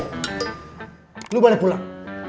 oke lu balik pulang